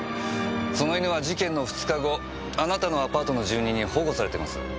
その犬は事件の２日後あなたのアパートの住人に保護されてます。